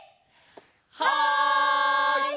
はい！